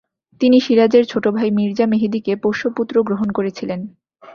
তিনি সিরাজের ছোটভাই মির্জা মেহেদীকে পোষ্যপুত্র গ্রহণ করেছিলেন।